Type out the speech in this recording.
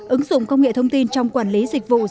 ứng dụng công nghệ thông tin trong quản lý dịch vụ